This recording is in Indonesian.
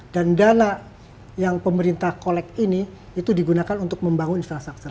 dan dana yang pemerintah collect ini itu digunakan untuk membangun infrastruktur